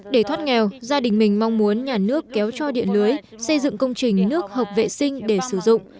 để thoát nghèo gia đình mình mong muốn nhà nước kéo cho điện lưới xây dựng công trình nước hợp vệ sinh để sử dụng